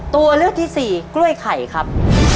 ตัวเลือกที่สี่กล้วยไข่ครับ